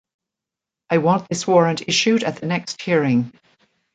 I want this warrant issued at the next hearing.